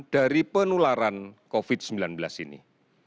dari penularan covid sembilan belas ini